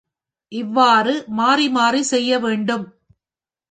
இவ்வாறு மாறி மாறிச் செய்ய வேண்டும்.